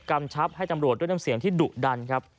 กำชะบให้ตำรวจด้วยด้ำเสียงที่ดุดัน